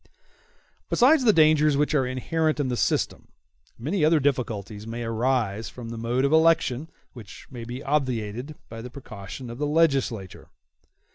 Besides the dangers which are inherent in the system, many other difficulties may arise from the mode of election, which may be obviated by the precaution of the legislator.